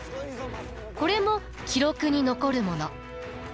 これも記録に残るもの。